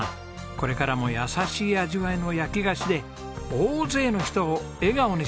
これからも優しい味わいの焼き菓子で大勢の人を笑顔にしてください。